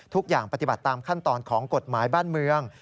ทุกอย่างปฏิบัติตามขั้นตอนของกฎหมายบ้านเมือง